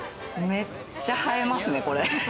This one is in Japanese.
めっちゃ映えますね、これ！